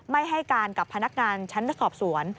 ให้การกับพนักงานชั้นสอบสวน